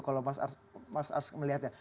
kalau mas arsene melihatnya